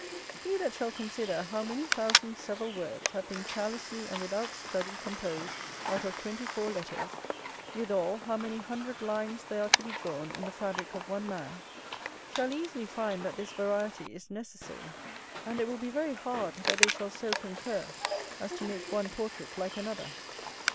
He that shall consider how many thousand several words have been carelessly and without study composed out of twenty four letters; withal, how many hundred lines there are to be drawn in the fabrick of one man; shall easily find that this variety is necessary: and it will be very hard that they shall so concur as to make one portrait like another.